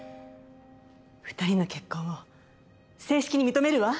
２人の結婚を正式に認めるわ！